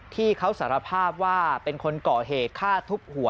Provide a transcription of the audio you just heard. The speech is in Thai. ที่เขาสารภาพว่าเป็นคนก่อเหตุฆ่าทุบหัว